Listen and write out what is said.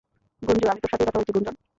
গুঞ্জু, আমি তোর সাথেই কথা বলছি গুঞ্জন!